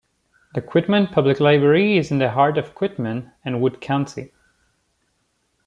The Quitman Public Library is in the heart of Quitman and Wood County.